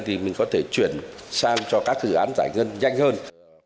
thì mình có thể chuyển sang cho các dự án giải ngân nhanh hơn